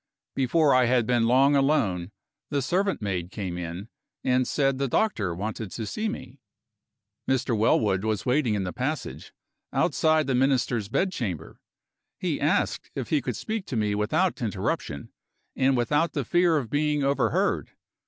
Before I had been long alone the servant maid came in, and said the doctor wanted to see me. Mr. Wellwood was waiting in the passage, outside the Minister's bedchamber. He asked if he could speak to me without interruption, and without the fear of being overheard.